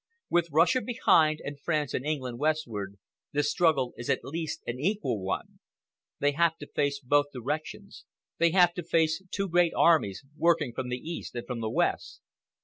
With Russia behind and France and England westward, the struggle is at least an equal one. They have to face both directions, they have to face two great armies working from the east and from the west."